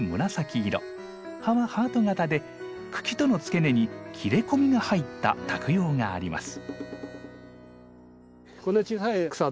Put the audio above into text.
葉はハート形で茎との付け根に切れ込みが入った托葉があります。